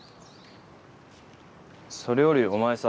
それよりお前さ。